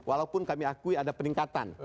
walaupun kami akui ada peningkatan